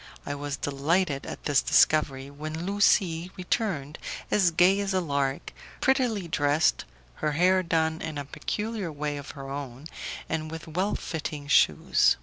I was delighted at this discovery, when Lucie returned as gay as a lark, prettily dressed, her hair done in a peculiar way of her own, and with well fitting shoes.